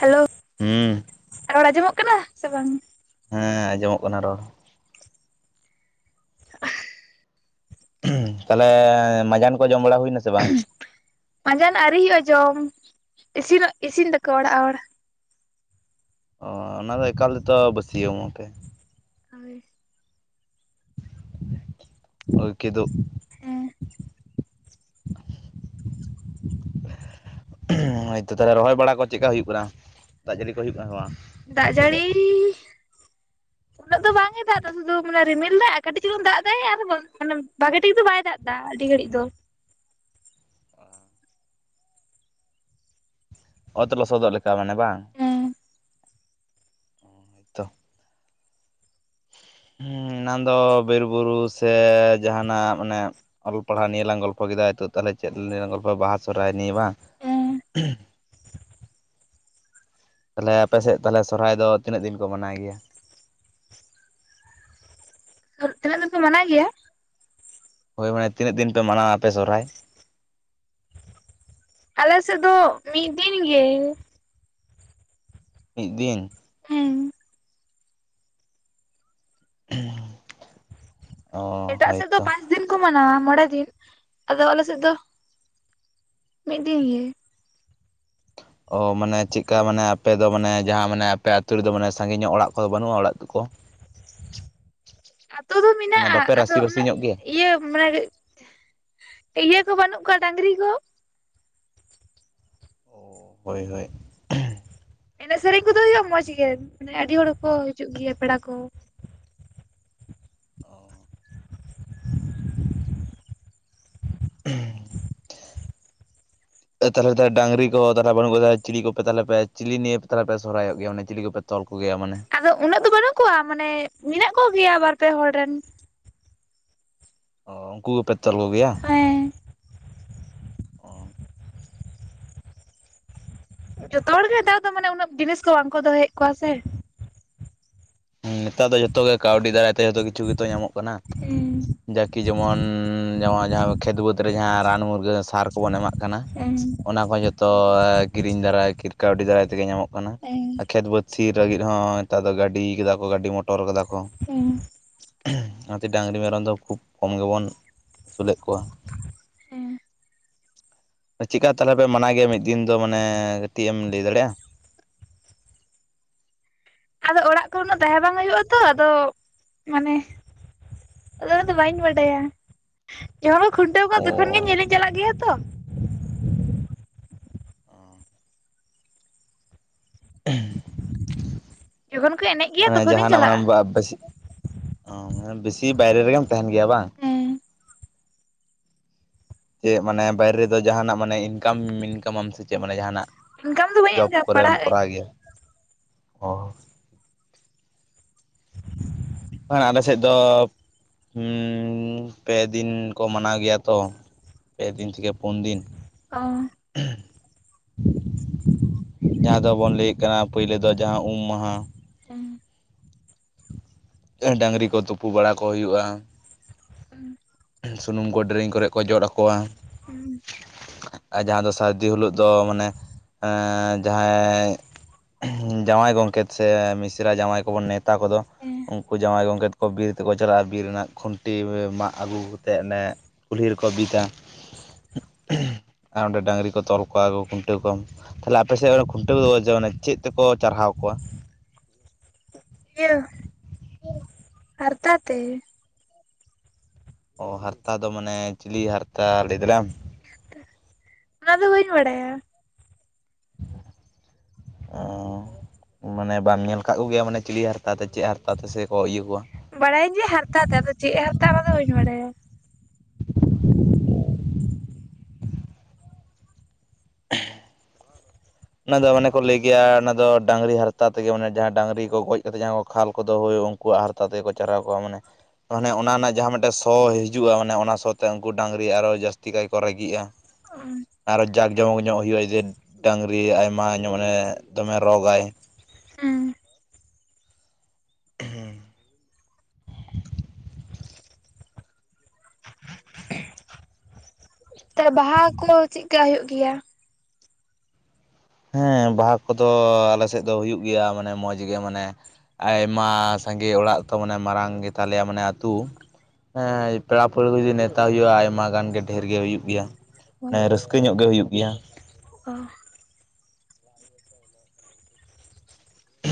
Hello ᱦᱩᱸ ᱨᱚᱲ ᱟᱸᱡᱚᱢᱚᱜ ᱠᱟᱱᱟ ᱥᱮ ᱵᱟᱝ? ᱦᱮᱸ ᱟᱸᱡᱚᱢᱚᱜ ᱠᱟᱱᱟ ᱨᱚᱲ᱾ [inaudible] ᱛᱟᱦᱚᱞᱮ ᱢᱟᱡᱟᱱ ᱠᱚ ᱡᱚᱢ ᱵᱟᱲᱟ ᱦᱩᱭᱱᱟ ᱥᱮ ᱵᱟᱝ? ᱢᱟᱸᱡᱟᱱ ᱟᱹᱣᱨᱤ ᱦᱩᱭᱩᱜ-ᱟ ᱡᱚᱢ ᱤᱥᱤᱱᱚᱜ ᱤᱥᱤᱱ ᱫᱟᱠᱚ ᱚᱲᱟᱜ ᱦᱚᱲ᱾ ᱚᱻ ᱚᱱᱟᱫᱚ ᱮᱠᱟᱞᱛᱚ ᱵᱟᱹᱥᱤᱭᱢᱚᱜ ᱟ ᱯᱮ᱾ ᱦᱳᱭ ᱳᱭ ᱠᱮᱫᱩᱵᱽ ᱦᱮᱸ [inaudible] ᱦᱳᱭᱛᱚ ᱛᱟᱦᱮ ᱨᱚᱦᱚᱭ ᱵᱟᱲᱟ ᱠᱚ ᱪᱮᱫᱞᱮᱠᱟ ᱦᱩᱭᱩᱜ ᱠᱟᱱᱟ ᱫᱟᱜ ᱡᱟᱹᱲᱤ ᱠᱚ ᱦᱩᱭᱩᱜ ᱠᱟᱱᱟ ᱵᱟᱝ? ᱫᱟᱜ ᱟᱯᱮ ᱥᱮᱫ ᱡᱟᱲᱤᱻ ᱩᱱᱟᱹᱜ? ᱟᱫᱚ ᱵᱟᱝ ᱮ ᱫᱟᱜ ᱫᱟ ᱫᱚ ᱢᱟᱱᱮ ᱨᱤᱢᱤᱞ ᱫᱟᱭ ᱟᱨ ᱠᱟᱴᱤᱡ ᱪᱚᱞᱩᱝ ᱫᱟᱜ ᱮᱫᱟ ᱟᱨ ᱵᱚᱱᱫᱷ ᱢᱟᱱᱮ ᱵᱷᱟᱜᱮᱹ ᱴᱷᱤᱠ ᱫᱚ ᱵᱟᱭ ᱫᱟᱜ ᱮᱫᱟ ᱟᱹᱰᱤ ᱜᱷᱟᱹᱲᱤᱡ ᱫᱚ᱾ ᱚᱛ ᱞᱚᱥᱚᱫᱚᱜ ᱞᱮᱠᱟ ᱢᱟᱱᱮ ᱵᱟᱝ? ᱦᱮᱸ ᱦᱚᱭᱛᱚᱦ ᱾ ᱦᱩᱦ, ᱮᱱᱟᱱ ᱫᱚ ᱵᱤᱨᱵᱩᱨᱩ ᱥᱮ ᱡᱟᱦᱟᱱᱟᱜ ᱢᱟᱱᱮ ᱚᱞ ᱯᱟᱲᱦᱟᱣ ᱱᱤᱭᱮ ᱞᱟᱝ ᱜᱚᱞᱯᱷᱚ ᱠᱮᱫᱟ ᱱᱤᱛᱚᱜ ᱛᱟᱦᱞᱮ ᱪᱮᱫ ᱱᱤᱭᱮ ᱞᱟᱝ ᱜᱚᱞᱯᱚ ᱭᱟ ᱵᱟᱦᱟ ᱥᱚᱦᱨᱟᱭ ᱱᱤᱭᱮ ᱵᱟᱝ ᱷᱩᱦ? ᱛᱟᱞᱦᱮ ᱟᱯᱮᱥᱮᱜ ᱛᱟᱞᱦᱮ ᱥᱚᱨᱦᱟᱭ ᱫᱚ ᱛᱤᱱᱟᱹᱜ ᱫᱤᱱ ᱠᱚ ᱢᱟᱱᱟᱣ ᱜᱮᱭᱟ? ᱟᱫᱚ ᱯᱮ ᱢᱟᱱᱟᱭ ᱜᱮᱭᱟ? ᱦᱳᱭ ᱢᱟᱱᱮ ᱛᱤᱱᱟᱹᱜ ᱫᱤᱱ ᱯᱮ ᱢᱟᱱᱟᱣᱟ ᱟᱯᱮ ᱥᱚᱨᱦᱟᱭ? ᱟᱞᱮ ᱥᱮᱫ ᱫᱚ ᱢᱤᱫ ᱫᱤᱱ ᱜᱮ ᱾ ᱢᱤᱫ ᱫᱤᱱ ᱾ ᱦᱩᱸᱦ ᱾ ᱷᱮᱸᱦ, ᱧᱟᱸᱭᱚᱢ-ᱪᱟᱠᱚᱯ ᱾ ᱮᱴᱟᱜ ᱥᱮᱫ ᱫᱚ ᱯᱟᱸᱪ ᱫᱤᱱ ᱠᱚ ᱢᱟᱱᱟᱣᱟ ᱢᱚᱬᱮ ᱫᱤᱱ᱾ ᱟᱫᱚ ᱟᱞᱮ ᱥᱮᱫ ᱫᱚ, ᱢᱤᱫ ᱫᱤᱱ ᱜᱮ ᱾ ᱚ ᱢᱟᱱᱮ ᱪᱮᱜᱠᱟ ᱢᱟᱱᱮ ᱟᱯᱮ ᱫᱚ ᱢᱟᱱᱮ ᱡᱟᱦᱟᱸ ᱢᱟᱱᱮ ᱟᱯᱮ ᱟᱛᱩ ᱨᱮᱫᱚ ᱢᱟᱱᱮ ᱥᱟᱺᱜᱤ ᱧᱚᱜ ᱚᱲᱟᱜ ᱠᱚᱫᱚ ᱵᱟᱹᱱᱩᱜᱼᱟ ᱚᱲᱟᱜ ᱟᱛᱩ ᱠᱚ? ᱟᱛᱳ ᱫᱚ ᱢᱟᱱᱮ ᱢᱮᱱᱟᱜᱼᱟ᱾ ᱵᱟᱯᱮ ᱟᱫᱚ ᱨᱟᱹᱥᱤ ᱚᱱᱟ ᱵᱟᱹᱥᱤ ᱧᱚᱜ ᱜᱮᱭᱟ ᱤᱭᱟᱹ ᱢᱟᱱᱮ ᱤᱭᱟᱹ ᱠᱚ ᱵᱟᱹᱱᱩᱜ ᱠᱚᱣᱟ ᱰᱟᱹᱝᱨᱤ ᱠᱚ? ᱚ ᱦᱳᱭ ᱦᱳᱭ ᱾ ᱮᱱᱮᱡ ᱥᱮᱹᱨᱮᱹᱧ ᱠᱚᱫᱚ ᱦᱳᱭᱳᱜᱼᱟ ᱢᱚᱸᱡᱽ ᱜᱮ ᱢᱟᱱᱮ ᱟᱰᱤ ᱦᱚᱲᱠᱚ ᱦᱤᱡᱩᱜ ᱜᱮᱭᱟ ᱯᱮᱲᱟ ᱠᱚ᱾ ᱛᱟᱞᱦᱮ ᱛᱚ ᱰᱟ ᱹᱝᱨᱤ ᱠᱚ ᱛᱟᱞᱦᱮ ᱵᱟᱹᱱᱩᱜ ᱠᱚ ᱪᱤᱞᱤ ᱠᱚᱯᱮ ᱛᱟᱞᱮ ᱪᱤᱞᱤ ᱱᱮᱭᱮ ᱛᱟᱞᱦᱮ ᱯᱮ ᱥᱚᱨᱦᱟᱭᱚᱜ ᱜᱮᱭᱟ᱾ ᱢᱟᱱᱮ ᱪᱤᱞᱤ ᱠᱚᱯᱮ? ᱛᱚᱞ ᱠᱚᱜᱮᱭᱟ ᱢᱟᱱᱮ? ᱟᱫᱚ ᱩᱱᱟᱹᱜ ᱫᱚ ᱵᱟᱹᱱᱩᱜ ᱠᱚᱣᱟ, ᱢᱟᱱᱮ ᱢᱮᱱᱟᱜ ᱠᱚᱜᱮᱭᱟ ᱵᱟᱨ ᱯᱮ ᱦᱚᱲ ᱨᱮᱱ ᱾ ᱚ ᱩᱱᱠᱩ ᱠᱚ ᱜᱮᱯᱮ ᱛᱚᱞ ᱠᱚᱜᱮᱭᱟ? ᱦᱮᱸ ᱚ ᱡᱚᱛᱚ ᱦᱚᱲᱜᱮ ᱱᱮᱛᱟᱨ ᱫᱚ ᱢᱟᱱᱮ ᱩᱱᱟᱹᱜ ᱡᱤᱱᱤᱥ ᱠᱚ ᱵᱟᱝᱠᱚ ᱫᱚᱦᱚᱭᱮᱜ ᱠᱚᱣᱟ ᱥᱮ ᱾ ᱱᱮᱛᱟᱨ ᱫᱚ ᱡᱚᱛᱚ ᱜᱮ ᱠᱟᱹᱣᱰᱤ ᱫᱟᱨᱟᱭ ᱛᱮ ᱡᱷᱚᱛᱚ ᱠᱤᱪᱷᱩ ᱜᱮᱛᱚ ᱧᱟᱢᱚᱜ ᱠᱟᱱᱟ ᱾ ᱦᱩᱸᱦ ᱾ ᱡᱟᱠᱤ ᱡᱮᱢᱚᱱ-ᱱ ᱱᱚᱣᱟ ᱡᱟᱦᱟᱸ ᱠᱷᱮᱛ ᱵᱟᱹᱫᱽ ᱡᱟᱦᱟᱸ ᱨᱟᱱ ᱢᱩᱨᱜᱟᱹᱱ ᱥᱟᱨ ᱠᱚᱵᱚᱱ ᱮᱢᱟᱜ, ᱠᱟᱱᱟ ᱦᱮᱸ ᱚᱱᱟ ᱠᱚ ᱡᱚᱛᱚ ᱠᱤᱨᱤᱧ ᱫᱟᱨᱟᱭ ᱠᱤᱴ ᱠᱟᱹᱣᱰᱤ ᱫᱟᱨᱟᱭ ᱛᱮᱜᱮ ᱧᱟᱢᱚᱜ ᱠᱟᱱᱟ, ᱦᱮᱸ ᱠᱷᱮᱛ ᱵᱟᱹᱫᱽ ᱥᱤ ᱞᱟᱹᱜᱤᱫ ᱦᱚᱸ ᱱᱮᱛᱟᱨ ᱫᱚ ᱜᱟᱹᱰᱤ ᱠᱟᱫᱟ ᱠᱚ ᱜᱟᱹᱰᱤ ᱢᱚᱴᱚᱨ ᱠᱟᱫᱟ ᱠᱚ ᱾ ᱷᱩᱸᱦ ᱚᱱᱟᱛᱮ ᱰᱟᱝᱨᱤ ᱢᱮᱨᱚᱢ ᱫᱚ ᱠᱷᱩᱵᱽ ᱠᱚᱢ ᱜᱮᱵᱚᱱ ᱟᱹᱥᱩᱞᱮᱜ ᱠᱚᱣᱟ ᱾ ᱴᱷᱚᱜ ᱦᱮᱸ ᱪᱮᱠᱟ ᱛᱟᱛᱦᱮ ᱯᱮ ᱢᱟᱱᱟᱣ ᱜᱮᱭᱟ ᱢᱤᱫ ᱫᱤᱱ ᱫᱚ ᱢᱟᱱᱮ ᱠᱟᱹᱴᱤᱡ ᱮᱢ ᱞᱟᱹᱭ ᱫᱟᱲᱮᱭᱟᱜᱼᱟ? ᱟᱫᱚ ᱚᱲᱟᱜ ᱠᱚ ᱩᱱᱟᱹᱜ ᱛᱟᱦᱮᱸ ᱵᱟᱝ ᱦᱳᱭᱳᱜ ᱟᱛᱚ ᱟᱫᱚ ᱢᱟᱱᱮ ᱟᱫᱚ ᱩᱱᱟᱹᱜ ᱫᱚ ᱵᱟᱹᱧ ᱵᱟᱰᱟᱭᱟ᱾ ᱡᱚᱠᱷᱚᱱ ᱠᱚ ᱠᱷᱩᱱᱴᱟᱹᱣ ᱠᱚᱣᱟ ᱛᱚᱠᱷᱚᱱ ᱜᱮ ᱚ ᱧᱮᱞ ᱤᱧ ᱪᱟᱞᱟᱜ ᱜᱮᱭᱟ ᱛᱚ ᱾ ᱷᱩᱦ ᱾ ᱡᱚᱠᱷᱚᱱ ᱠᱚ ᱮᱱᱮᱡ ᱜᱮᱭᱟ ᱢᱟᱱᱮ ᱛᱚᱠᱷᱚᱱᱤᱧ ᱡᱟᱦᱟᱱᱟᱜ ᱢᱟᱱᱮ ᱪᱟᱞᱟᱜᱼᱟ ᱟᱯᱮ ᱥᱤᱜ ᱚᱸ ᱵᱤᱥᱤ ᱵᱟᱭᱨᱮᱹ ᱨᱮᱜᱮᱢ ᱛᱟᱦᱮᱱ ᱜᱮᱭᱟ ᱵᱟᱝ? ᱦᱮᱸ ᱪᱮᱜ ᱢᱟᱱᱮ ᱵᱟᱭᱨᱮᱹ ᱨᱮᱫᱚ ᱡᱟᱦᱟᱱᱟᱜ ᱢᱟᱱᱮ ᱤᱱᱠᱟᱢ ᱢᱤᱱᱠᱟᱢᱟᱢ ᱥᱮ ᱪᱮᱜ ᱢᱟᱱᱮ ᱡᱟᱦᱟᱱᱟᱜ? ᱤᱱᱠᱟᱢ ᱫᱚ ᱵᱟᱹᱧ ᱡᱚᱵᱽ ᱤᱱᱠᱟᱢ ᱠᱚᱨᱮᱢ ᱯᱟᱲᱦᱟᱜ ᱟᱹᱧ ᱠᱚᱨᱟᱣ ᱜᱮᱭᱟ? ᱚᱸ ᱾ ᱦᱮᱸᱦ, ᱟᱞᱮ ᱥᱮᱫ ᱫᱚ ᱩ-ᱢ ᱯᱮ ᱫᱤᱱ ᱠᱚ ᱢᱟᱱᱟᱣ ᱜᱮᱭᱟ ᱛᱚ ᱾ ᱯᱮ ᱫᱤᱱ ᱛᱷᱮᱹᱠᱮᱹ ᱯᱳᱱ ᱫᱤᱱ ᱾ ᱚ [unintelligible] ᱡᱟᱦᱟᱸ ᱫᱚᱵᱚᱱ ᱞᱟᱹᱭᱮᱜ ᱠᱟᱱᱟ ᱯᱳᱭᱞᱳ ᱫᱚ ᱡᱟᱦᱟᱸ ᱩᱢ ᱢᱟᱦᱟᱸ ᱮᱸᱻ ᱾ ᱮᱦ ᱰᱟᱹᱝᱨᱤ ᱠᱚ ᱛᱩᱯᱩ ᱵᱟᱲᱟ ᱠᱚ ᱦᱩᱭᱩᱜᱼᱟ᱾ ᱦᱩᱸ᱾ ᱥᱩᱱᱩᱢ ᱠᱚ ᱰᱮᱨᱮᱝ ᱠᱚᱨᱮ ᱠᱚ ᱡᱚᱫ ᱟᱠᱚᱣᱟ᱾ ᱦᱩᱸ᱾ ᱟᱨ ᱡᱟᱦᱟᱸ ᱫᱚ ᱥᱟᱹᱨᱫᱤ ᱦᱤᱞᱳᱜ ᱫᱚ ᱢᱟᱱᱮ ᱮᱸ ᱡᱟᱦᱟᱸᱭ ᱡᱟᱶᱟᱭ ᱜᱚᱝᱠᱮᱛ ᱥᱮ ᱢᱤᱥᱨᱟ ᱡᱟᱶᱟᱭ ᱠᱚᱵᱚᱱ ᱱᱮᱛ ᱛᱟ ᱠᱚᱫᱚ ᱦᱮᱸ ᱩᱱᱠᱩ ᱡᱟᱶᱟᱭ ᱜᱚᱢᱠᱮᱛ ᱠᱚ ᱵᱤᱨ ᱛᱮᱠᱚ ᱪᱟᱞᱟᱜ-ᱟ, ᱵᱤᱨ ᱨᱮᱱᱟᱜ ᱠᱷᱩᱱᱴᱤ ᱢᱟᱜ ᱟᱹᱜᱩ ᱠᱟᱛᱮᱫ ᱚᱱᱮ ᱠᱩᱞᱦᱤ ᱨᱮᱠᱚ ᱵᱤᱫᱟ᱾ ᱟᱨ ᱚᱸᱰᱮ ᱵᱟᱝᱨᱤ ᱠᱚ ᱨᱚᱞ ᱠᱚᱣᱟ ᱟᱨ ᱠᱚ ᱠᱷᱩᱱᱴᱟᱹᱣ ᱠᱚᱣᱟᱢ᱾ ᱛᱟᱦᱚᱞᱮ ᱟᱯᱮ ᱥᱮᱫ ᱚᱱᱮ ᱠᱷᱩᱱᱴᱟᱹᱣ ᱠᱟᱫᱚ ᱠᱚ ᱡᱮ ᱚᱱᱮ ᱪᱮᱫ ᱛᱮᱠᱚ ᱪᱟᱨᱦᱟᱣ ᱠᱚᱣᱟ? ᱤᱭᱟᱹ ᱦᱟᱨᱛᱟ ᱛᱮ᱾ ᱚ ᱦᱟᱨᱛᱟ ᱫᱚ ᱢᱟᱱᱮ ᱪᱤᱞᱤ ᱦᱟᱨᱛᱟ ᱞᱟᱹᱭ ᱫᱟᱲᱮ-ᱮᱢ? ᱚᱱᱟ ᱫᱚ ᱵᱟᱹᱧ ᱵᱟᱲᱟᱭᱟ᱾ [inaudible] ᱚ᱾ ᱢᱟᱱᱮ ᱵᱟᱢ ᱧᱮᱞ ᱠᱟᱜ ᱠᱚᱜᱮᱭᱟ ᱢᱟᱱᱮ ᱪᱤᱞᱤ ᱦᱟᱨᱛᱟ ᱛᱮ, ᱪᱮᱫ ᱦᱟᱨᱛᱟ ᱛᱮᱥᱮ ᱠᱚ ᱤᱭᱟᱹ ᱠᱚᱣᱟ? ᱵᱟᱲᱟᱭᱤᱧ ᱡᱮ ᱦᱟᱛᱨᱟ ᱛᱮ ᱟᱫᱚ ᱪᱮᱜ ᱦᱟᱨᱛᱟ ᱚᱱᱟ ᱫᱚ ᱵᱟᱹᱧ ᱵᱟᱲᱟᱭᱟ᱾ ᱚᱱᱟ ᱫᱚ ᱢᱟᱱᱮ ᱠᱚ ᱞᱟᱹᱭ ᱜᱮᱭᱟ ᱚᱱᱟ ᱫᱚ ᱰᱟᱝᱨᱤ ᱦᱟᱨᱛᱟ ᱛᱮᱜᱮ ᱢᱟᱱᱮ ᱡᱟᱦᱟᱸ ᱰᱟᱝᱨᱤ ᱠᱚ ᱜᱚᱡ ᱠᱟᱛᱮ ᱡᱟᱦᱟᱸ ᱠᱚ ᱠᱷᱟᱞ ᱠᱚᱫᱟ ᱦᱳᱭ ᱟᱝᱠ ᱠᱩᱣᱟᱜ ᱦᱟᱨᱛᱟ ᱛᱮᱜᱮ ᱠᱚ ᱪᱟᱨᱞᱟᱣ ᱠᱚᱣᱟ ᱢᱟᱱᱮ᱾ ᱢᱟᱱᱮ ᱚᱱᱟ ᱨᱮᱱᱟᱜ ᱡᱟᱦᱟᱸ ᱢᱤᱫᱴᱮᱜ ᱥᱚ ᱦᱤᱡᱩᱜ-ᱟ ᱢᱟᱱᱮ ᱚᱱᱟ ᱥᱚ ᱛᱮ ᱩᱱᱠᱩ ᱰᱟᱝᱨᱤ ᱟᱨᱚ ᱡᱟᱹᱥᱛᱤ ᱠᱟᱭ ᱠᱚ ᱨᱟᱹᱜᱤᱜ-ᱟ᱾ ᱚ᱾ ᱟᱨᱚ ᱡᱟᱠ ᱡᱚᱢᱚᱠ ᱧᱚᱜ ᱦᱩᱭᱩᱜᱼᱟ ᱡᱮ ᱨᱤ ᱟᱭᱢᱟ ᱧᱚᱜ ᱢᱟᱱᱮ ᱫᱚᱢᱮ ᱨᱚᱜᱽᱼᱟᱭ᱾ ᱦᱮᱸ᱾ ᱦᱮᱸ᱾ ᱛᱟᱦᱮ ᱵᱟᱦᱟ ᱠᱚ ᱪᱮᱜᱠᱟ ᱦᱩᱭᱩᱜ ᱜᱮᱭᱟ? ᱦᱮᱸ ᱵᱟᱦᱟ ᱠᱚᱫᱚ ᱟᱞᱮ ᱥᱮᱫ ᱫᱚ ᱦᱩᱭᱩᱜ ᱜᱮᱭᱟ ᱢᱟᱱᱮ ᱢᱚᱡᱽ ᱜᱮ ᱢᱟᱱᱮ ᱟᱭᱢᱟ ᱥᱟᱸᱜᱮ ᱚᱲᱟᱜ ᱛᱚ ᱢᱟᱱᱮ ᱢᱟᱨᱟᱝ ᱜᱮᱛᱟᱞᱮᱭᱟ ᱢᱟᱱᱮ ᱟᱹᱛᱩ᱾ ᱦᱮᱸ ᱯᱮᱲᱟ ᱯᱟᱹᱲᱦᱟᱹ ᱡᱩᱫᱤ ᱱᱮᱣᱛᱟ ᱦᱩᱭᱩᱜ-ᱟ ᱟᱭᱢᱟ ᱜᱟᱱ ᱜᱮ ᱫᱷᱮᱨ ᱜᱮ ᱦᱩᱭᱩᱜ ᱜᱮᱭᱟ᱾ ᱢᱟᱱᱮ ᱨᱟᱹᱥᱠᱟᱹ ᱧᱚᱜ ᱜᱮ ᱦᱩᱭᱩᱜ ᱜᱮᱭᱟ᱾ ᱚ᱾ [inaudible]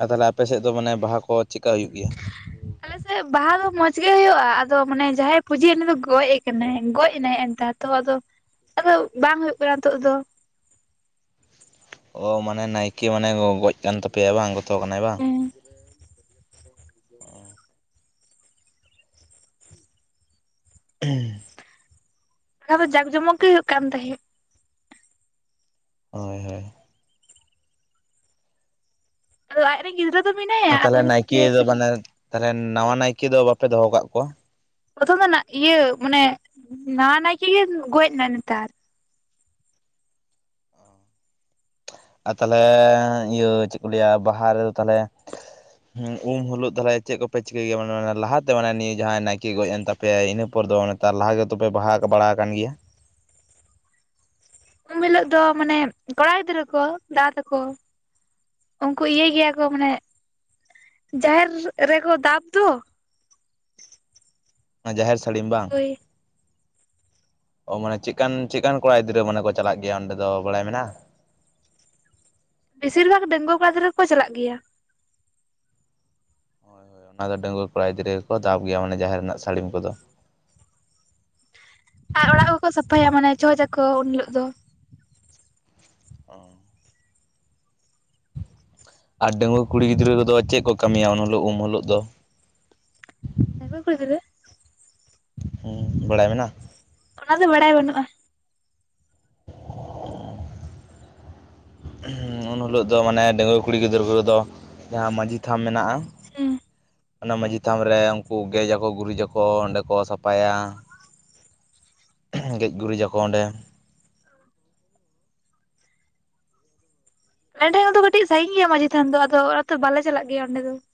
ᱟᱫᱚ ᱛᱟᱦᱞᱮ ᱟᱯᱮ ᱥᱮᱫ ᱫᱚ ᱢᱟᱱᱮ ᱵᱟᱦᱟ ᱠᱚ ᱪᱮᱜᱠᱟ ᱦᱩᱭᱩᱜ ᱜᱮᱭᱟ? ᱟᱞᱮᱥᱮᱫ ᱵᱟᱦᱟ ᱫᱚ ᱢᱚᱸᱡᱽ ᱜᱮ ᱦᱩᱭᱩᱜᱼᱟ᱾ ᱟᱫᱚ ᱢᱟᱱᱮ ᱡᱟᱦᱟᱸᱭ ᱯᱩᱡᱟᱹᱭᱟ ᱩᱱᱤ ᱫᱚ ᱜᱚᱡ ᱠᱟᱱᱟᱭ, ᱜᱚᱡ ᱮᱱᱟᱭ ᱦᱮ ᱮᱱᱛᱟᱨ᱾ ᱛᱚ ᱟᱫᱚ, ᱟᱫᱚ ᱵᱟᱝ ᱦᱳᱭᱳᱜ ᱠᱟᱱᱟ ᱱᱤᱛᱳᱜ ᱫᱚ᱾ ᱚ ᱢᱟᱱᱮ ᱱᱟᱭᱠᱮ ᱢᱟᱱᱮ ᱜᱚ-ᱜᱚᱡ ᱠᱟᱱ ᱛᱟᱯᱮᱭᱟᱭ ᱵᱟᱝ, ᱜᱚᱛᱚ ᱠᱟᱱᱟᱭ ᱵᱟᱝ᱾ ᱦᱩᱸ᱾ ᱚ᱾ [unintelligible] ᱠᱟ ᱫᱚ ᱡᱟᱠ ᱡᱚᱢᱚᱠ ᱜᱮ ᱦᱩᱭᱩᱜ ᱠᱟᱱ ᱛᱟᱦᱮᱸᱜ᱾ ᱦᱳᱭ ᱦᱮᱸ᱾ ᱟᱫᱚ ᱟᱡ ᱨᱮᱱ ᱜᱤᱫᱨᱟᱹ ᱟᱫ ᱛᱟᱞᱦᱮ ᱱᱟᱭᱠᱮ ᱫᱚ ᱢᱟᱱᱮ ᱛᱟᱞᱦᱮ ᱱᱟᱣᱟ ᱱᱟᱭᱠᱮ ᱫᱚ ᱵᱟᱯᱮ ᱫᱚᱦᱚ ᱟᱠᱟᱜ ᱠᱚᱣᱟ? ᱯᱚᱛᱷᱚᱢ ᱫᱚ ᱱᱟᱜ ᱤᱭᱟᱹ ᱢᱟᱱᱮ ᱱᱟᱣᱟ ᱱᱟᱭᱠᱮ ᱜᱮ ᱜᱚᱡ ᱱᱟᱭ ᱱᱮᱛᱟᱨ᱾ ᱟᱨ ᱛᱟᱦᱚᱞᱮ ᱤᱭᱟᱹ ᱪᱮᱫ ᱠᱚ ᱞᱟᱹᱭᱟ ᱵᱟᱦᱟ ᱨᱮᱫᱚ ᱛᱟᱞᱦᱮ ᱦᱮᱸ ᱩᱢ ᱦᱤᱞᱳᱜ ᱛᱟᱦᱚᱞᱮ ᱪᱮᱫ ᱠᱚᱯᱮ ᱪᱤᱠᱟᱹᱭ ᱜᱮᱭᱟ ᱢᱟᱱᱮ ᱞᱟᱦᱟᱛᱮ ᱢᱟᱱᱮ ᱱᱤᱭᱟᱹ ᱡᱟᱦᱟᱸᱭ ᱱᱟᱭᱮ ᱜᱚᱡ ᱮᱱ ᱛᱟ ᱯᱮᱭᱟᱭ ᱤᱱᱟᱹ ᱯᱚᱨ ᱫᱚ ᱢᱟᱱᱮ ᱛᱟᱨ ᱞᱟᱦᱟ ᱜᱮᱛᱚᱯᱮ ᱵᱟᱦᱟ ᱵᱟᱲᱟ ᱠᱟᱱ ᱜᱮᱭᱟ ᱾ ᱩᱢ ᱦᱤᱞᱚᱜ ᱫᱚ ᱢᱟᱱᱮ ᱠᱚᱲᱟ ᱜᱤᱫᱽᱨᱟᱹ ᱠᱚ ᱫᱟᱫᱟ ᱛᱟᱠᱚ ᱩᱱᱠᱩ ᱤᱭᱟᱹᱭ ᱜᱮᱭᱟ ᱠᱚ ᱢᱟᱱᱮ ᱡᱟᱦᱮᱨ ᱨᱮᱠᱚ ᱫᱟᱵ ᱫᱚ ᱚᱱᱟ ᱡᱟᱦᱮᱨ ᱥᱟᱹᱲᱤᱢ ᱵᱟᱝ? ᱦᱳᱭ [inaudible] ᱚ ᱢᱟᱱᱮ ᱪᱮᱜᱠᱟᱱ ᱪᱮᱜᱠᱟᱱ ᱠᱚᱲᱟ ᱜᱤᱫᱽᱨᱟᱹ ᱢᱟᱱᱮ ᱠᱚ ᱪᱟᱞᱟᱜ ᱜᱮᱭᱟ ᱚᱸᱰᱮ ᱫᱚ ᱵᱟᱲᱟᱭ ᱢᱮᱱᱟᱜ-ᱟ? ᱵᱤᱥᱤᱨ ᱵᱷᱟᱜᱽ ᱰᱟᱸᱜᱩᱣᱟ ᱠᱚᱲᱟ ᱜᱤᱫᱽᱨᱟᱹ ᱠᱚ ᱪᱟᱞᱟᱜ ᱜᱮᱭᱟ ᱾ ᱦᱳᱭ ᱦᱳᱭ ᱚᱱᱟ ᱫᱚ ᱰᱟᱺᱜᱩᱣᱟᱹ ᱠᱚᱲᱟ ᱜᱤᱫᱽᱨᱟᱹ ᱜᱮᱠᱚ ᱫᱟᱵ ᱜᱮᱭᱟ ᱢᱟᱱᱮ ᱡᱟᱦᱮᱨ ᱨᱮᱱᱟᱜ ᱥᱟᱹᱲᱤᱢ ᱠᱚᱫᱚ ᱾ ᱟᱨ ᱚᱲᱟᱜ ᱠᱚᱠᱚ ᱥᱟᱯᱷᱟᱭᱟ ᱢᱟᱱᱮ ᱪᱷᱚᱸᱪ ᱟᱠᱚ ᱩᱱ ᱦᱤᱞᱳᱜ ᱫᱚ ᱾ ᱚ ᱾ ᱟᱨ ᱰᱟᱺᱜᱩᱣᱟᱹ ᱠᱩᱲᱤ ᱜᱤᱫᱽᱨᱟᱹ ᱠᱚᱫᱚ ᱪᱮᱫ ᱠᱚ ᱠᱟᱢᱤᱭᱟ ᱩᱱ ᱦᱤᱞᱚᱜ ᱩᱢ ᱦᱳᱞᱳᱜ ᱫᱚ? ᱰᱟᱸᱜᱩᱣᱟ ᱠᱩᱲᱤ ᱜᱤᱫᱽᱨᱟᱹ? ᱦᱩᱸ ᱵᱟᱲᱟᱭ ᱢᱮᱱᱟᱜ-ᱟ? ᱚᱱᱟ ᱫᱚ ᱵᱟᱲᱟᱭ ᱵᱟᱹᱱᱩᱜ-ᱟ ᱾ ᱩᱱ ᱦᱤᱞᱳᱜ ᱫᱚ ᱢᱟᱱᱮ ᱰᱟᱸᱜᱩᱣᱟᱹ ᱠᱩᱲᱤ ᱜᱤᱫᱽᱨᱟᱹ ᱠᱚᱫᱚ ᱡᱟᱦᱟᱸ ᱢᱟᱹᱡᱷᱤ ᱛᱷᱟᱱ ᱢᱮᱱᱟᱜ-ᱟ ᱦᱮᱸ ᱾ ᱚᱱᱟ ᱢᱟᱺᱡᱷᱤ ᱛᱷᱟᱢ ᱨᱮ ᱩᱱᱠᱩ ᱜᱮᱡ ᱟᱠᱚ ᱜᱩᱨᱤᱡ ᱟᱠᱚ ᱚᱸᱰᱮ ᱠᱚ ᱥᱟᱯᱟᱭᱟ ᱾ ᱜᱮᱡ ᱜᱩᱨᱤᱡ ᱟᱠᱚ ᱚᱸᱰᱮ ᱾ ᱟᱞᱮ ᱴᱷᱮᱱ ᱠᱷᱚᱱ ᱫᱚ ᱠᱟᱹᱴᱤᱡ ᱥᱟᱺᱜᱤᱧ ᱜᱮᱭᱟ ᱢᱟᱡᱷᱤ ᱛᱷᱟᱱ ᱫᱚ ᱟᱫᱚ ᱚᱱᱟ ᱛᱮ ᱵᱟᱞᱮ ᱪᱟᱞᱟᱜ ᱜᱮᱭᱟ ᱚᱸᱰᱮ ᱫᱚ ᱾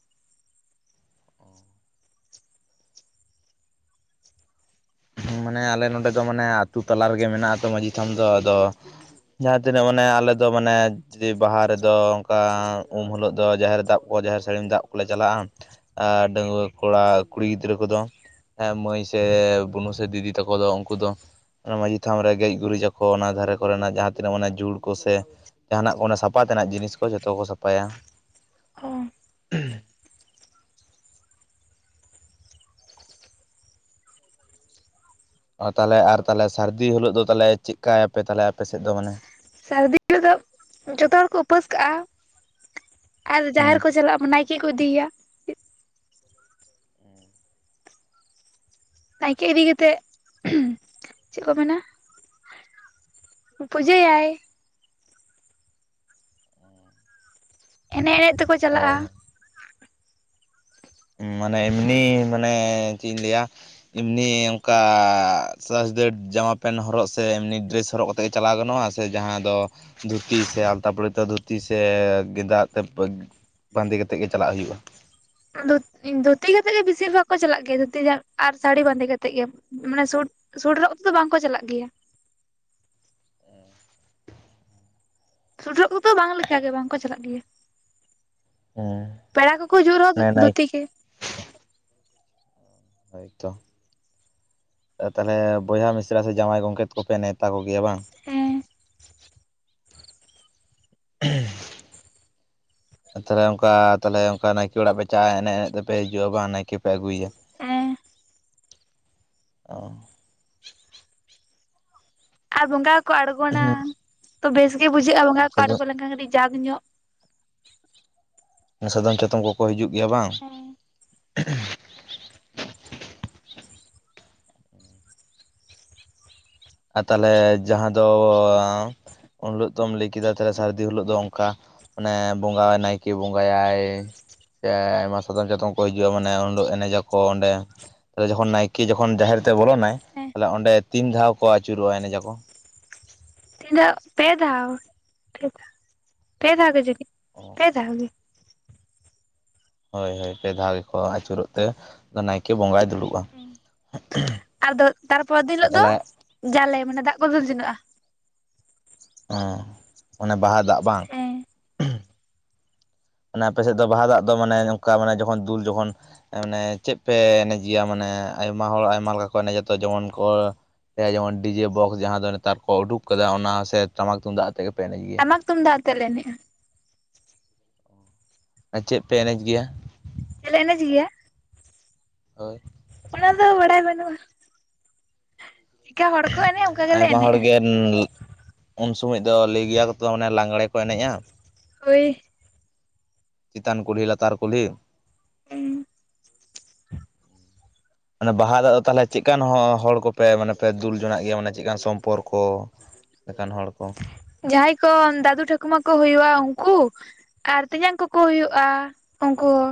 ᱦᱮᱸ ᱢᱟᱱᱮ ᱟᱞᱮ ᱱᱚᱰᱮ ᱫᱚ ᱢᱟᱱᱮ ᱟᱹᱛᱩ ᱛᱟᱞᱟ ᱨᱮᱜᱮ ᱢᱮᱱᱟᱜ ᱟᱛᱚ ᱢᱟᱺᱡᱷᱤ ᱛᱷᱟᱱ ᱫᱚ ᱟᱫᱚ ᱡᱟᱦᱟᱸ ᱛᱤᱱᱟᱹᱜ ᱢᱟᱱᱮ ᱟᱞᱮ ᱫᱚ ᱢᱟᱱᱮ ᱡᱮ ᱵᱟᱦᱟ ᱨᱮᱫᱚ ᱚᱱᱠᱟ ᱩᱢ ᱦᱤᱞᱳᱜ ᱫᱚ ᱡᱟᱦᱮᱨ ᱫᱟᱵ ᱠᱚ ᱡᱟᱦᱮᱨ ᱥᱟᱹᱲᱤᱢ ᱫᱟᱜ ᱠᱚᱞᱮ ᱪᱟᱞᱟᱜ-ᱟ ᱾ ᱟᱨ ᱰᱟᱺᱜᱩᱣᱟᱹ ᱠᱚᱲᱟ ᱠᱩᱲᱤ ᱜᱤᱫᱽᱨᱟᱹ ᱠᱚᱫᱚ ᱢᱟᱹᱭ ᱥᱮ ᱥᱮ ᱫᱤᱫᱤ ᱛᱟᱠᱚ ᱫᱚ ᱩᱱᱠᱩ ᱫᱚ ᱚᱱᱟ ᱢᱟᱺᱡᱷᱤ ᱛᱷᱟᱱ ᱨᱮ ᱜᱮᱡ ᱜᱩᱨᱤᱡ ᱟᱠᱚ ᱚᱱᱟ ᱫᱷᱟᱨᱮ ᱠᱚᱨᱮᱱᱟᱜ ᱡᱟᱦᱟᱸ ᱛᱤᱱᱟᱹᱜ ᱢᱟᱱᱮ ᱡᱷᱩᱲ ᱠᱚ ᱥᱮ ᱡᱟᱦᱟᱱᱟᱜ ᱠᱚ ᱚᱱᱟ ᱥᱟᱯᱷᱟ ᱛᱮᱱᱟᱜ ᱡᱤᱱᱤᱥ ᱠᱚ ᱡᱚᱛᱚ ᱠᱚ ᱥᱟᱯᱷᱟᱭᱟ ᱾ ᱚ ᱾ [inaudible] ᱚ ᱛᱟᱦᱚᱞᱮ ᱟᱨ ᱛᱟᱦᱚᱞᱮ ᱥᱟᱹᱨᱫᱤ ᱦᱤᱞᱳᱜ ᱫᱚ ᱛᱟᱦᱚᱞᱮ ᱪᱮᱫᱠᱟᱭᱟᱯᱮ ᱛᱟᱦᱚᱞᱮ ᱟᱯᱮ ᱥᱮᱫ ᱫᱚ ᱢᱟᱱᱮ ᱥᱟᱹᱨᱫᱤ ᱦᱤᱞᱚᱜ ᱫᱚ ᱡᱚᱛᱚ ᱦᱚᱲ ᱠᱚ ᱩᱯᱟᱹᱥ ᱠᱟᱜ-ᱟ ᱾ ᱟᱨ ᱡᱟᱦᱮᱨ ᱦᱩᱸ ᱠᱚ ᱪᱟᱞᱟᱜ-ᱟ ᱱᱟᱭᱠᱮ ᱠᱚ ᱤᱫᱤᱭᱮᱭᱟ ᱾ ᱱᱟᱭᱠᱮ ᱤᱫᱤ ᱠᱟᱛᱮᱜ [inaudible] ᱪᱮᱫ ᱠᱚ ᱢᱮᱱᱟ [inaudible] ᱯᱩᱡᱟᱹᱭᱟᱭ ᱾ ᱮᱱᱮᱡ ᱮᱱᱮᱡ ᱛᱮᱠᱚ ᱪᱟᱞᱟᱜ-ᱟ ᱦᱳᱭ ᱾ ᱦᱮᱸ ᱢᱟᱱᱮ ᱮᱢᱱᱤ ᱢᱟᱱᱮ ᱪᱮᱫ ᱤᱧ ᱞᱟᱹᱭᱟ ᱮᱢᱱᱤ ᱚᱱᱠᱟ [unintelligible] ᱡᱟᱢᱟ ᱯᱮᱱᱴ ᱦᱚᱨᱚᱜ ᱥᱮ ᱮᱢᱱᱤ ᱰᱨᱮᱥ ᱦᱚᱨᱚᱜ ᱠᱟ ᱛᱮ ᱪᱟᱞᱟᱣ ᱜᱟᱱᱚᱜ--ᱟ ᱥᱮ ᱡᱟᱦᱟᱸ ᱫᱚ ᱫᱷᱩᱛᱤ ᱥᱮ ᱟᱞᱛᱟ ᱯᱟᱹᱲ ᱟᱛᱮ ᱫᱷᱩᱛᱤ ᱥᱮ ᱜᱮᱸᱫᱟᱜ ᱛᱮ ᱵᱟᱸᱫᱮ ᱠᱟᱛᱮᱫ ᱜᱮ ᱪᱟᱞᱟᱜ ᱦᱩᱭᱩᱜ-ᱟ ᱾ ᱩ ᱫᱷᱩᱛ ᱫᱷᱩᱛᱤ ᱠᱟᱛᱮᱜ ᱜᱮ ᱵᱤᱥᱤᱨ ᱵᱷᱟᱜᱽ ᱠᱚ ᱪᱟᱞᱟᱜ ᱜᱮ ᱫᱷᱩᱛᱤ ᱟᱨ ᱥᱟᱹᱲᱤ ᱵᱟᱸᱫᱮ ᱠᱟᱛᱮᱜ ᱜᱮ ᱾ ᱢᱟᱱᱮ ᱥᱩᱴ ᱥᱩᱴ ᱦᱚᱨᱚᱜ ᱠᱟᱛᱮ ᱫᱚ ᱵᱟᱝᱠᱚ ᱪᱟᱞᱟᱜ ᱜᱮᱭᱟ ᱾ ᱥᱩᱴ ᱦᱚᱨᱚᱜ ᱠᱚᱫᱚ ᱵᱟᱝ ᱞᱮᱠᱟ ᱜᱮ ᱵᱟᱝᱠᱚ ᱪᱟᱞᱟᱜ ᱜᱮᱭᱟ ᱾ ᱦᱮᱸ [inaudible] ᱯᱮᱲᱟ ᱠᱚᱠᱚ ᱦᱤᱡᱩᱜ ᱨᱮᱦᱚ ᱱᱟᱭ ᱫᱷᱩᱛᱤ ᱜᱮ ᱾ ᱦᱳᱭ ᱛᱚ ᱾ ᱟᱨ ᱛᱟᱦᱚᱞᱮ ᱵᱚᱭᱦᱟ ᱢᱤᱥᱨᱟ ᱥᱮ ᱡᱟᱶᱟᱭ ᱜᱚᱝᱠᱮᱛ ᱠᱚᱯᱮ ᱱᱮᱣᱛᱟ ᱠᱚᱜᱮᱭᱟ ᱵᱟᱝ? ᱦᱮᱸ ᱾ [inaudible] ᱛᱟᱦᱚᱞᱮ ᱚᱱᱠᱟ ᱛᱟᱦᱚᱞᱮ ᱚᱱᱠᱟ ᱱᱟᱭᱠᱮ ᱚᱲᱟᱜ ᱯᱮ ᱪᱟᱜ-ᱟ ᱮᱱᱮᱡ ᱮᱱᱮᱡ ᱛᱮᱯᱮ ᱦᱤᱡᱩᱜ-ᱟ ᱵᱟ ᱱᱟᱭᱠᱮ ᱯᱮ ᱟᱹᱜᱩᱮᱭᱟ ᱮ ᱚ ᱟᱨ ᱵᱚᱸᱜᱟᱠᱚ ᱟᱬᱜᱚᱱᱟ ᱦᱮᱸ ᱛᱚ ᱵᱮᱥ ᱜᱮ ᱵᱩᱡᱷᱟᱹᱜ-ᱟ ᱵᱚᱸᱜᱟ ᱠᱚ ᱥᱟᱫᱚᱢ ᱟᱬᱜᱚ ᱞᱮᱱᱠᱷᱟᱱ ᱠᱟᱹᱴᱤᱡ ᱡᱟᱠ ᱧᱚᱜ ᱥᱟᱫᱚᱢ ᱪᱟᱛᱚᱢ ᱠᱚᱠᱚ ᱦᱤᱡᱩᱜ ᱜᱮᱭᱟ ᱵᱟᱝ ᱦᱮᱸ ᱟᱨ ᱛᱟᱦᱚᱞᱮ ᱡᱟᱦᱟᱸ ᱫᱚ ᱩᱱ ᱦᱤᱞᱳᱜ ᱫᱚᱚᱢ ᱞᱟᱹᱭ ᱠᱮᱫᱟ ᱛᱟᱦᱞᱮ ᱥᱟᱹᱨᱫᱤ ᱦᱤᱞᱳᱜ ᱫᱚ ᱚᱱᱠᱟ ᱢᱟᱱᱮ ᱵᱚᱸᱜᱟ ᱱᱟᱭᱠᱮ ᱵᱚᱸᱜᱟ ᱭᱟᱭ ᱥᱮ ᱟᱭᱢᱟ ᱥᱟᱛᱚᱢ ᱪᱟᱛᱚᱢ ᱠᱚ ᱦᱤᱡᱩᱜ-ᱟ ᱢᱟᱱᱮ ᱩᱱ ᱦᱤᱞᱳᱜ ᱮᱱᱮᱡ ᱟᱠᱚ ᱚᱰᱮ ᱛᱟᱦᱞᱮ ᱡᱚᱠᱷᱚᱱ ᱱᱟᱭᱠᱮ ᱡᱚᱠᱷᱚᱱ ᱡᱟᱦᱮᱨ ᱛᱮᱭ ᱵᱚᱞᱚᱱᱟᱭ ᱦᱮᱸ ᱛᱟᱦᱞᱮ ᱚᱸᱰᱮ ᱛᱤᱱ ᱫᱷᱟᱣ ᱠᱚ ᱟᱹᱪᱩᱨᱚᱜ-ᱟ ᱮᱱᱮᱡᱟ ᱠᱚ? ᱛᱤᱱ ᱫᱷᱟ ᱯᱮ ᱫᱷᱟᱣ ᱯᱮ ᱫᱷᱟᱣ ᱜᱮ ᱡᱫᱤ ᱯᱮ ᱫᱷᱟᱣ ᱜᱮ ᱦᱳᱭ ᱦᱳᱭ ᱯᱮ ᱫᱷᱟᱣ ᱜᱮᱠᱚ ᱟᱹᱪᱩᱨᱚᱜ ᱛᱮ ᱱᱟᱭᱠᱮ ᱵᱚᱸᱜᱟᱭ ᱫᱩᱲᱩᱵ-ᱟ ᱟᱫᱚ ᱛᱟᱨᱯᱚᱨᱤᱱ ᱦᱤᱞᱳᱜ ᱫᱚ ᱡᱟᱞᱮ ᱢᱟᱱᱮ ᱫᱟᱜ ᱠᱩ ᱫᱩᱞ ᱡᱚᱱᱟᱜ-ᱟ ᱦᱮ ᱚᱱᱮ ᱵᱟᱦᱟ ᱫᱟᱜ ᱵᱟᱝ? ᱦᱮᱸ ᱚᱱᱮ ᱢᱟᱱᱮ ᱟᱯᱮ ᱥᱮᱫ ᱫᱚ ᱵᱟᱦᱟ ᱫᱟᱜ ᱫᱚ ᱢᱟᱱᱮ ᱚᱱᱠᱟ ᱢᱟᱱᱮ ᱡᱠᱷᱚᱱ ᱫᱩᱞ ᱡᱚᱠᱷᱚᱱ ᱢᱟᱱᱮ ᱪᱮᱫ ᱯᱮ ᱮᱱᱮᱡ ᱜᱮᱭᱟ ᱢᱟᱱᱮ ᱟᱭᱢᱟ ᱦᱚᱲ ᱟᱭᱢᱟ ᱞᱮᱠᱟ ᱠᱚ ᱮᱱᱮᱡᱟᱠᱚ ᱛᱚ ᱡᱮᱢᱚᱱ ᱠᱚ ᱮ ᱡᱮᱢᱚᱱ ᱴᱤᱡᱮ ᱵᱚᱠᱥ ᱡᱟᱦᱟᱸ ᱫᱚ ᱱᱮᱛᱟᱨ ᱠᱚ ᱩᱰᱩᱠ ᱠᱟᱫᱟ ᱚᱱᱟ ᱥᱮ ᱴᱟᱢᱟᱠ ᱛᱩᱢᱫᱟᱜ ᱛᱮᱜᱮ ᱜᱮᱯᱮ ᱮᱱᱮᱡ ᱜᱮᱭᱟ ᱟᱨ ᱛᱩᱢᱫᱟᱜ ᱟᱛᱮ ᱮᱱᱮᱡ-ᱟ ᱟᱨ ᱪᱮᱫ ᱯᱮ ᱮᱱᱮᱡ ᱜᱮᱭᱟ? ᱪᱮᱞᱮ ᱮᱱᱮᱡ ᱜᱮᱭᱟ? ᱦᱳᱭ ᱚᱱᱟ ᱫᱚ ᱵᱟᱰᱟᱭ ᱵᱟᱹᱱᱩᱜ-ᱟ᱾ ᱪᱮᱜᱠᱟ ᱦᱚᱲ ᱠᱚ ᱮᱱᱮᱜ-ᱟ ᱚᱸᱠᱟ ᱜᱮᱞᱮ ᱮᱱᱮᱜ-ᱟ᱾ ᱩ ᱩᱱ ᱥᱚᱢᱚᱭ ᱫᱚ ᱞᱟᱹᱭ ᱜᱤᱭᱟ ᱠᱚᱛᱚ ᱚᱱᱮ ᱞᱟᱜᱽᱬᱮ ᱠᱚ ᱮᱱᱮᱡ-ᱟ ᱦᱳᱭ ᱪᱮᱛᱟᱱ ᱠᱩᱞᱦᱤ ᱞᱟᱛᱟᱨ ᱠᱩᱞᱦᱤ᱾ [inaudible] ᱟᱫᱚ ᱵᱟᱦᱟ ᱫᱟᱜ ᱫᱚ ᱛᱟᱦᱞᱮ ᱪᱮᱜᱠᱟᱱ ᱦᱚᱲ ᱠᱚᱯᱮ ᱢᱟᱱᱮ ᱯᱮ ᱫᱩᱞ ᱡᱚᱱᱟᱜ ᱜᱮᱭᱟ ᱢᱟᱱᱮ ᱪᱮᱜ ᱠᱟᱱ ᱥᱚᱢᱯᱚᱨᱠᱚ? ᱞᱮᱠᱟᱱ ᱦᱚᱲ ᱠᱚ ᱡᱟᱦᱟᱸᱟᱭ ᱠᱚ ᱫᱟᱫᱩ ᱴᱷᱟᱠᱩᱢᱟ ᱠᱚ ᱦᱩᱭᱩ-ᱟ ᱩᱱᱠᱩ, ᱟᱨ ᱛᱮᱧᱟᱝ ᱠᱚᱠᱚ ᱦᱩᱭᱩᱜ-ᱟ ᱩᱱᱠᱩ ᱦᱚ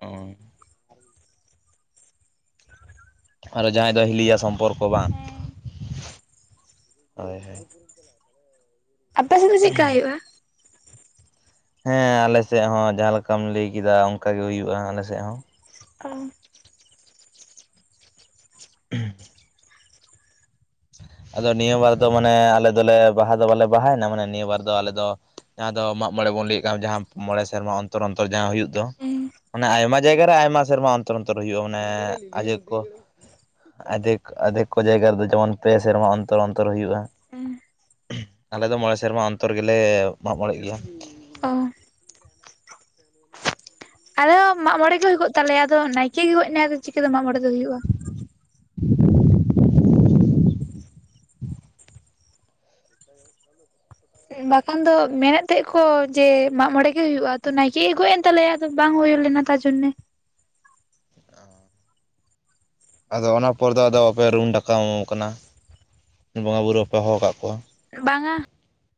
ᱚ ᱟᱨ ᱡᱟᱦᱟᱸᱭ ᱫᱚ ᱦᱤᱞᱤᱭᱟ ᱥᱚᱢᱯᱚᱨᱠᱚ ᱵᱟᱝ? ᱦᱮᱸ ᱦᱳᱭ ᱦᱳᱭ ᱟᱯᱮ ᱥᱮᱜ ᱫᱚ ᱪᱮᱜᱠᱟ ᱦᱩᱭᱩᱜ-ᱟ? ᱦᱮᱸ ᱟᱞᱮᱥᱮ ᱦᱚᱸ ᱡᱟᱦᱟᱸ ᱞᱮᱠᱟᱢ ᱞᱟᱹᱭ ᱠᱮᱫᱟ ᱚᱝᱠᱟ ᱜᱮ ᱦᱩᱭᱩᱜ ᱟᱞᱮᱥᱮᱜ ᱦᱚᱸ᱾ ᱚ [unintelligible] ᱟᱫᱚ ᱱᱤᱭᱟᱹ ᱵᱟᱨ ᱢᱟᱱᱮ ᱟᱞᱮ ᱫᱚᱞᱮ ᱵᱟᱦᱟ ᱫᱚ ᱵᱟᱞᱮ ᱵᱟᱦᱟᱭᱮᱱᱟ, ᱢᱟᱱᱮ ᱱᱤᱭᱟᱹ ᱵᱟᱨ ᱫᱚ ᱟᱞᱮ ᱫᱚ ᱡᱟᱦᱟᱸ ᱫᱚ ᱢᱟᱜᱽ ᱢᱚᱬᱮ ᱵᱚᱱ ᱞᱟᱹᱭᱮᱜ ᱠᱟᱱ ᱡᱟᱦᱟᱸ ᱢᱚᱬᱮ ᱥᱮᱨᱢᱟ ᱚᱱᱛᱚᱨ ᱚᱱᱛᱚᱨ ᱡᱟᱦᱟᱸ ᱦᱩᱭᱩᱜ ᱫᱚ ᱦᱮᱸ ᱢᱟᱱᱮ ᱟᱭᱢᱟ ᱡᱟᱭᱜᱟ ᱨᱮ ᱟᱭᱢᱟ ᱥᱮᱨᱢᱟ ᱚᱱ ᱛᱚᱨ ᱚᱱᱛᱚᱨ ᱦᱩᱭᱩᱜ-ᱟ ᱢᱟᱱᱮ ᱟᱡᱚᱠ ᱠᱚ ᱟᱫᱷᱮᱠ ᱟᱫᱷᱮᱠ ᱠᱚ ᱡᱟᱭᱜᱟ ᱨᱮᱫᱚ ᱡᱮᱢᱚᱱ ᱯᱮ ᱥᱮᱨᱢᱟ ᱚᱱᱛᱚᱨ ᱚᱱᱛᱚᱨ ᱦᱩᱭᱩᱜ-ᱟ᱾ ᱦᱮ ᱟᱞᱮᱚ ᱫᱚ ᱢᱚᱬᱮ ᱥᱮᱨᱢᱟ ᱚᱱᱛᱚᱨ ᱜᱮᱞᱮ ᱢᱟᱜ ᱢᱚᱬᱮᱜ ᱜᱮᱭᱟ᱾ ᱚ ᱟᱞᱮᱦᱚ ᱢᱟᱜᱽ ᱢᱚᱬᱮ ᱜᱮ ᱦᱩᱭ ᱠᱚ ᱛᱟᱞᱮᱭᱟ, ᱟᱫᱚ ᱱᱟᱭᱠᱮ ᱜᱮ ᱜᱚᱭᱜ ᱮᱱᱟᱭ ᱟᱫᱚ ᱪᱤᱠᱟᱹᱛᱮ ᱢᱟᱜᱽ ᱢᱚᱬᱮ ᱫᱚ ᱦᱩᱭᱩᱜ? [unintelligible] ᱵᱟᱠᱷᱟᱱ ᱫᱚ ᱢᱮᱱᱮᱜ ᱛᱟᱦᱮᱸ ᱟᱠᱚ ᱡᱮ ᱢᱟᱜ ᱢᱚᱬᱮ ᱜᱮ ᱦᱩᱭᱩᱜᱼᱟ, ᱛᱚ ᱱᱟᱭᱠᱮ ᱜᱮ ᱜᱚᱭᱮᱜᱼᱮᱱ ᱛᱟᱞᱮᱭᱟ᱾ ᱟᱫᱚ ᱵᱟᱝ ᱦᱩᱭᱩ ᱞᱮᱱᱟ ᱛᱟᱨᱡᱚᱱᱱᱮ᱾ ᱚᱻ᱾ ᱟᱫᱚ ᱚᱱᱟ ᱯᱚᱨ ᱫᱚ ᱟᱫᱚ ᱯᱮ ᱨᱩᱢ ᱰᱟᱠᱟᱣ ᱠᱟᱱᱟ, ᱵᱚᱸᱜᱟ ᱵᱩᱨᱩ ᱵᱟᱯᱮ ᱦᱚ ᱠᱟᱜ ᱠᱚᱣᱟ? ᱵᱟᱝᱟ᱾